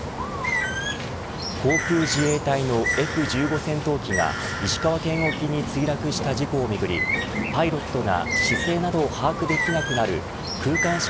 航空自衛隊のＦ‐１５戦闘機が石川県沖に墜落した事故をめぐりパイロットが姿勢などを把握できなくなる空間識